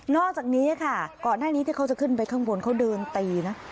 อกจากนี้ค่ะก่อนหน้านี้ที่เขาจะขึ้นไปข้างบนเขาเดินตีนะ